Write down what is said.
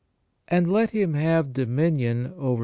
"And let him have dominion over